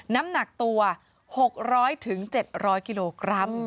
น้ำหนักตัว๖๐๐๗๐๐กิโลกรัม